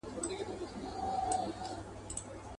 د قلا شنې وني لمبه سوې د جهاد په اور کي.